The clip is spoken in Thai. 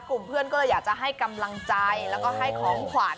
กลุ่มเพื่อนก็เลยอยากจะให้กำลังใจแล้วก็ให้ของขวัญ